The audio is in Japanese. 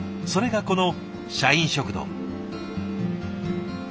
それがこの社員食堂。